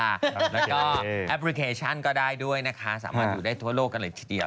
แล้วก็แอปพลิเคชันก็ได้ด้วยนะคะสามารถอยู่ได้ทั่วโลกกันเลยทีเดียว